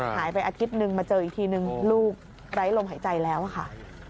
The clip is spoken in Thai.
หายไปอาทิตย์นึงมาเจออีกทีนึงลูกไร้ลมหายใจแล้วค่ะ